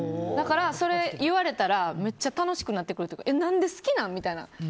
それ言われたらむっちゃ楽しくなってくるというか何で好きなん？みたいな。